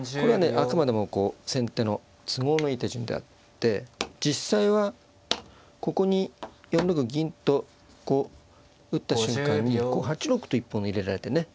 あくまでも先手の都合のいい手順であって実際はここに４六銀とこう打った瞬間に８六歩と一本入れられてね。